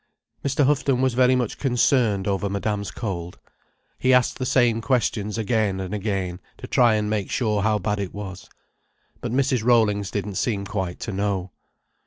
Mr. Houghton was very much concerned over Madame's cold. He asked the same questions again and again, to try and make sure how bad it was. But Mrs. Rollings didn't seem quite to know.